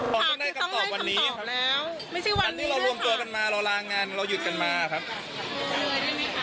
พอท่านได้คำตอบวันนี้อันนี้เรารวมตัวกันมาเราลางานเราหยุดกันมาครับ